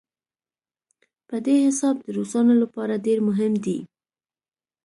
په دې حساب د روسانو لپاره ډېر مهم دی.